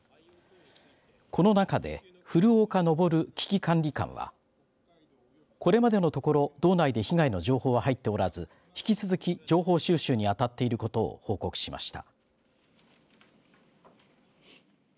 この中で古岡昇危機管理監はこれまでのところ道内で被害の情報は入っておらず引き続き情報収集に当たっていることを報告しました。